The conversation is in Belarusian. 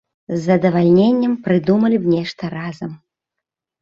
З задавальненнем прыдумалі б нешта разам.